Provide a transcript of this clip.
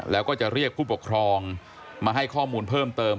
แล้วก็จะเรียกผู้ปกครองมาให้ข้อมูลเพิ่มเติม